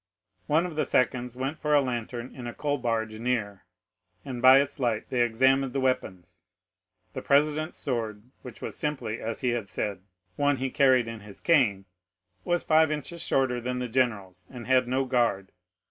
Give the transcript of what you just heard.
One of the seconds went for a lantern in a coal barge near, and by its light they examined the weapons. The president's sword, which was simply, as he had said, one he carried in his cane, was five inches shorter than the general's, and had no guard.